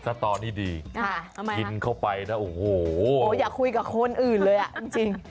สตอรี่ดีกินเข้าไปนะโอ้โหอย่าคุยกับคนอื่นเลยอ่ะจริง